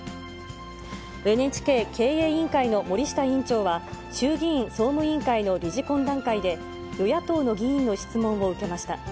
ＮＨＫ経営委員会の森下委員長は、衆議院総務委員会の理事懇談会で、与野党の議員の質問を受けました。